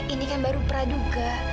ini kan baru peraduga